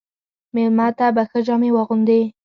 مېلمه ته به ښه جامې واغوندې.